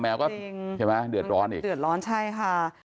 เห็นไหมเดือดร้อนอีกเดือดร้อนใช่ค่ะ